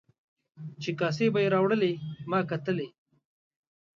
چې کاسې به یې راوړلې ما کتلې.